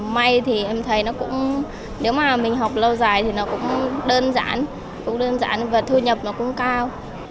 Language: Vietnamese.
may thì em thấy nó cũng nếu mà mình học lâu dài thì nó cũng đơn giản cũng đơn giản và thu nhập nó cũng cao